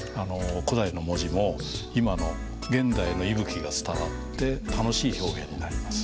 古代の文字も現代の息吹が伝わって楽しい表現になります。